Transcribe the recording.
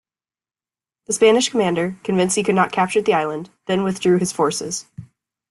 The Spanish commander, convinced he could not capture the island, then withdrew his forces.